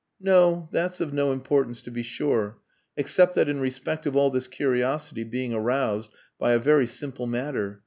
"No. That's of no importance to be sure except that in respect of all this curiosity being aroused by a very simple matter....